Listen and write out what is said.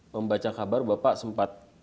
membaca kabar bapak sempat